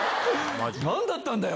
何だったんだよ